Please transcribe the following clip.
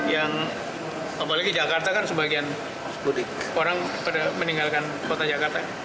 yang apalagi jakarta kan sebagian mudik orang meninggalkan kota jakarta